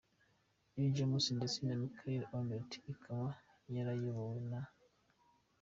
J Abrams ndetse na Michael Arndt, ikaba yarayobowe na J.